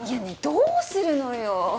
ねえどうするのよ？